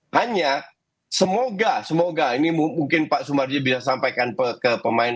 hanya semoga semoga ini mungkin pak sumardi bisa sampaikan ke pemain